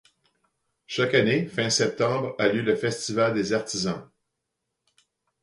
Chaque année, fin septembre, a lieu le Festival des Artisans.